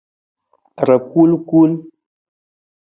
Rakulkul.